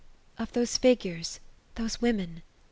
'* Of those figures — those women.